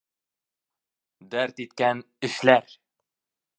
Дәрт иткән эшләр.